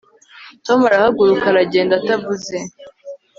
tom arahaguruka aragenda atavuze